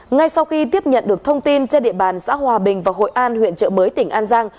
ngay sau khi tiếp nhận được thông tin trên địa bàn xã hòa bình và hội an huyện trợ mới tỉnh an giang